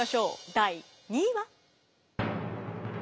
第２位は。